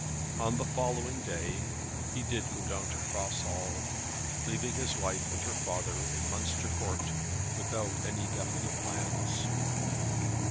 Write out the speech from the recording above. On the following day he did go down to Cross Hall, leaving his wife and her father in Munster Court without any definite plans.